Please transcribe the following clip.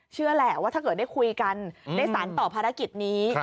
เชื่อแหละว่าถ้าเกิดได้คุยกันได้สารต่อภารกิจนี้